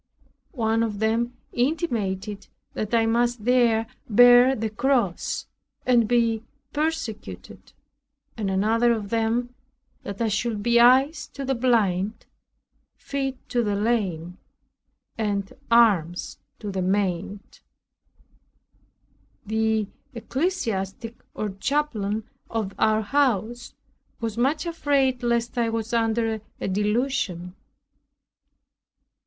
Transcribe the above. One of them intimated that I must there bear the cross and be persecuted; and another of them that I should be eyes to the blind, feet to the lame, and arms to the maimed. The ecclesiastic, or chaplain, of our house was much afraid lest I was under a delusion.